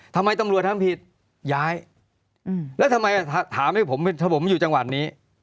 ทำไมตำรวจทำผิดย้ายแล้วทำไมถามให้ผมถ้าผมอยู่จังหวัดนี้